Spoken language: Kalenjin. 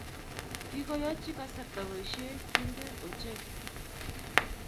kikoyochi kasarta boisie kintee ochei